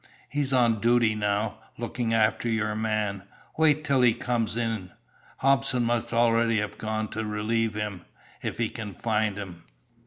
He's on duty now looking after your man; wait till he comes in. Hobson must already have gone to relieve him, if he can find him.